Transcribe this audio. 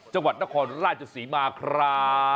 จังหวัดนครราชศรีมาครับ